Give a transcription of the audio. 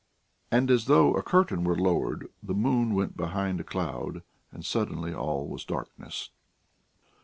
And as though a curtain were lowered, the moon went behind a cloud, and suddenly all was darkness.